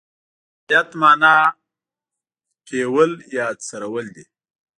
رعیت معنا یې پېول یا څرول دي.